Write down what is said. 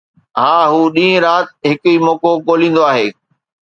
ها، هو ڏينهن رات هڪ ئي موقعو ڳوليندو آهي